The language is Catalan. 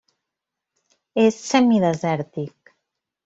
És semidesèrtic.